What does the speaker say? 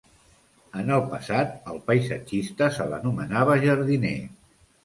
En el passat, al paisatgista se l'anomenava jardiner.